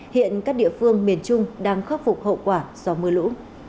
hiện các địa phương miền trung đang khắc phục hậu quả do mưa lũ